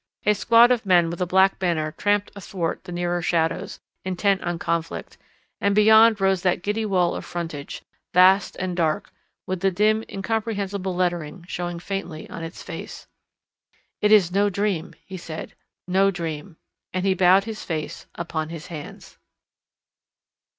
A squad of men with a black banner tramped athwart the nearer shadows, intent on conflict, and beyond rose that giddy wall of frontage, vast and dark, with the dim incomprehensible lettering showing faintly on its face. "It is no dream," he said, "no dream." And he bowed his face upon his hands.